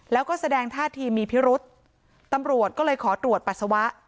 แล้วก็แสดงท่าทีมีพิรุษตำรวจก็เลยขอตรวจปัสสาวะ